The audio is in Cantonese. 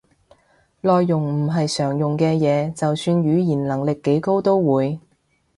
內容唔係常用嘅嘢，就算語言能力幾高都會